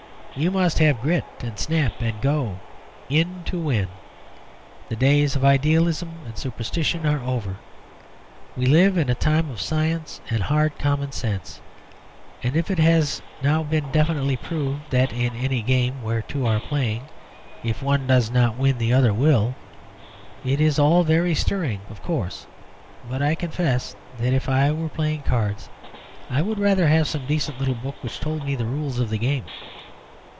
You must have grit and snap and go in to win. The days of idealism and superstition are over. We live in a time of science and hard common sense, and it has now been definitely proved that in any game where two are playing IF ONE DOES NOT WIN THE OTHER WILL." It is all very stirring, of course; but I confess that if I were playing cards I would rather have some decent little book which told me the rules of the game.